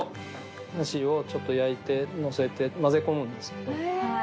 アジをちょっと焼いてのせてまぜ込むんですけど。